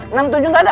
enam tujuh nggak ada